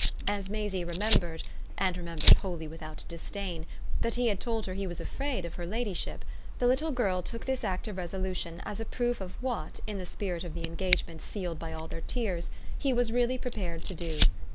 As Maisie remembered and remembered wholly without disdain that he had told her he was afraid of her ladyship, the little girl took this act of resolution as a proof of what, in the spirit of the engagement sealed by all their tears, he was really prepared to do.